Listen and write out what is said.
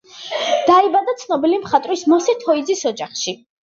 დაიბადა ცნობილი მხატვრის მოსე თოიძის ოჯახში.